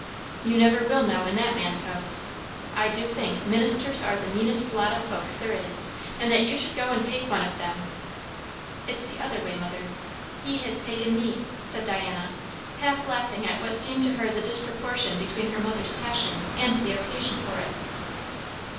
"You never will know, in that man's house. I do think, ministers are the meanest lot o' folks there is; and that you should go and take one of them!" "It is the other way, mother; he has taken me," said Diana, half laughing at what seemed to her the disproportion between her mother's passion and the occasion for it.